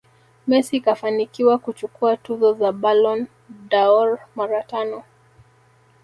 Messi kafanikiwa kuchukua tuzo za Ballon dâOr mara tano